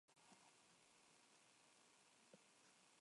Ambos han sido entrevistados en varias ocasiones en referencia a la web.